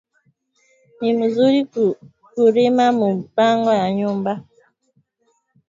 Ni muzuri ku rima mu mpango ya nyumba